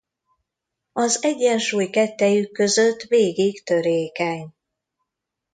Az egyensúly kettejük között végig törékeny.